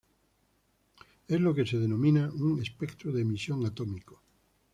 Es lo que se denomina un espectro de emisión atómico.